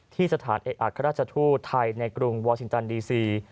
สถานเอกอัครราชทูตไทยในกรุงวอร์ชินตันดีซี